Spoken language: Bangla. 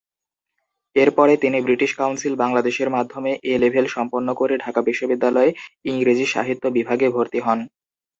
এরপরে তিনি ব্রিটিশ কাউন্সিল বাংলাদেশের মাধ্যমে এ-লেভেল সম্পন্ন করে ঢাকা বিশ্ববিদ্যালয়ে ইংরেজি সাহিত্য বিভাগে ভর্তি হন।